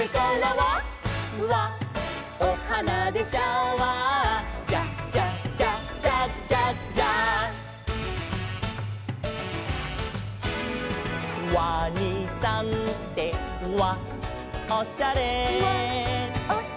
「わっわっおはなでシャワー」「ジャジャジャジャジャジャーッ」「ワニさんってわっおしゃれ」「」